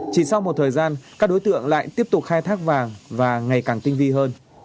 chỉ sau một thời gian các đối tượng lại tiếp tục khai thác vàng và ngày càng tinh vi hơn